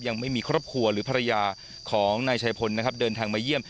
ยังไม่มีครอบครัวหรือภรรยาของนายชายพลนะครับเดินทางมาเยี่ยม